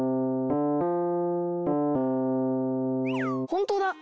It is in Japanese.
ほんとだ！